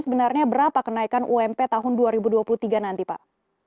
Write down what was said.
sebenarnya berapa kenaikan ump tahun dua ribu dua puluh tiga nanti pak